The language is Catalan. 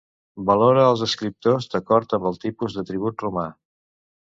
Valora els escriptors d'acord amb el tipus de tribut romà.